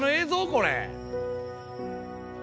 これ。